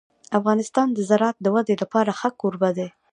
افغانستان د زراعت د ودې لپاره ښه کوربه دی.